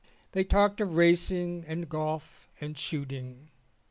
They talked of racing and golf and shooting.